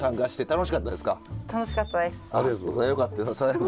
楽しかったです。